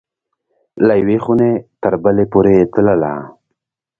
له یوې خوني تر بلي پوری تلله